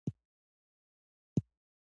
د ریګ دښتې د سیمو ښکلا ده.